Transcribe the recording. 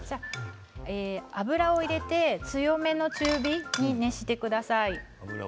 油を入れて強めの中火に熱してください。